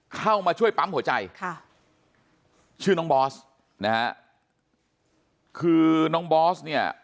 เข้ามาช่วยปั๊มหัวใจค่ะชื่อน้องบอสนะฮะคือน้องบอสเนี่ย